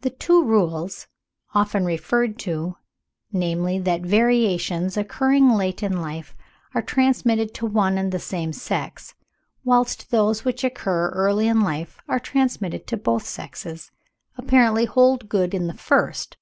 The two rules, often referred to (namely, that variations occurring late in life are transmitted to one and the same sex, whilst those which occur early in life are transmitted to both sexes), apparently hold good in the first (34.